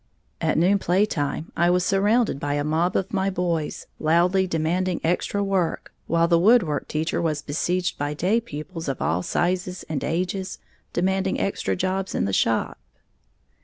At noon playtime I was surrounded by a mob of my boys, loudly demanding extra work, while the woodwork teacher was beseiged by day pupils of all sizes and ages, demanding extra jobs in the shop.